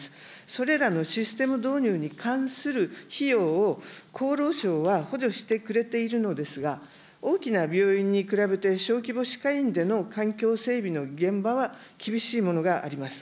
それらのシステム導入に関する費用を厚労省は補助してくれているのですが、大きな病院に比べて小規模歯科医院での環境整備の現場は厳しいものがあります。